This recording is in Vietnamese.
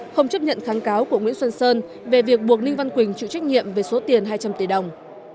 không chấp nhận kháng cáo của nguyễn xuân sơn về việc buộc ninh văn quỳnh chịu trách nhiệm về số tiền hai trăm linh tỷ đồng